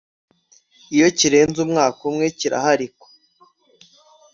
iyo kirenze umwaka umwe kiraharikwa